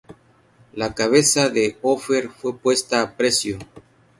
La cabeza de Hofer fue puesta a precio.